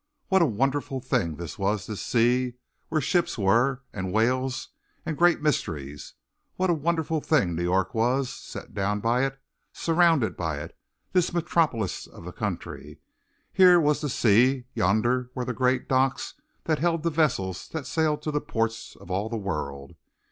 What a wonderful thing this was, this sea where ships were and whales and great mysteries. What a wonderful thing New York was, set down by it, surrounded by it, this metropolis of the country. Here was the sea; yonder were the great docks that held the vessels that sailed to the ports of all the world.